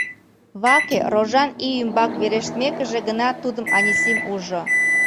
Ваке рожан ий ӱмбак верештмекыже гына тудым Анисим ужо.